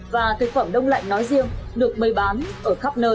và thực phẩm đông lạnh nói riêng được bày bán ở khắp nơi